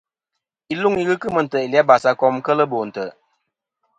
Iluŋ i ghɨ kemɨ ntè' ili a basakom kel bo ntè'.